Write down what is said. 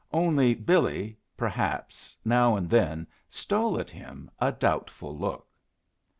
Only Billy, perhaps, now and then stole at him a doubtful look.